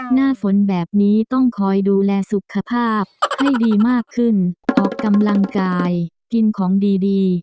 หน้าฝนแบบนี้ต้องคอยดูแลสุขภาพให้ดีมากขึ้นออกกำลังกายกินของดีดี